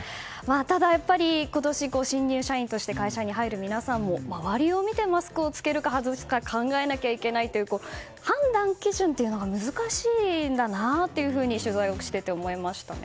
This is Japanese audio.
ただ、やっぱり今年新入社員として会社に入る皆さんも、周りを見てマスクを着けるか外すか考えないといけないという判断基準が難しいんだなと取材をしていて思いました。